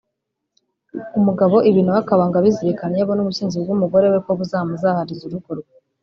umugabo ibi nawe akaba ngo abizirikana iyo abona ubusinzi bw’umugore we ko buzamuzahariza urugo rwe